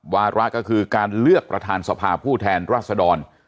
วาระก็คือการเลือกประธานสภาผู้แทนรัศดร